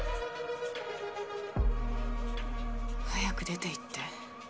早く出て行って。